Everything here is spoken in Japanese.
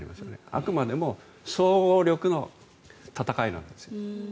あくまでも総合力の戦いなんですよ。